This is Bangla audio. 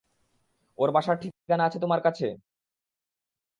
ওর বাসার ঠিকানা আছে তোমার কাছে?